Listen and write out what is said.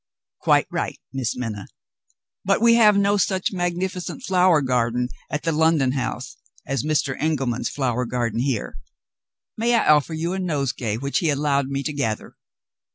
"Quite right, Miss Minna. But we have no such magnificent flower garden at the London house as Mr. Engelman's flower garden here. May I offer you a nosegay which he allowed me to gather?"